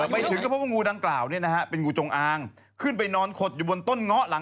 แป๊งล่ะแป๊งล่ะ